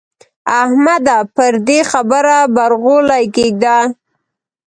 احمده پر دې خبره برغولی کېږده.